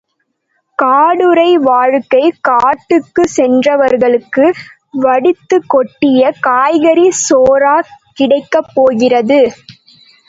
காடுறை வாழ்க்கை காட்டுக்குச் சென்றவர்களுக்கு வடித்துக் கொட்டிய காய்கறிச் சோறா கிடைக்கப் போகிறது?